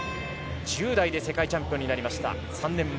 １０代で世界チャンピオンになりました、３年前。